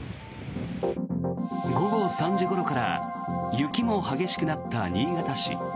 午後３時ごろから雪も激しくなった新潟市。